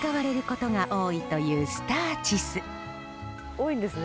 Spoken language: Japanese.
多いんですね